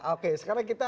oke sekarang kita